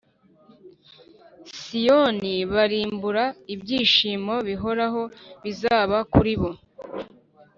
Siyoni baririmba ibyishimo bihoraho bizaba kuri bo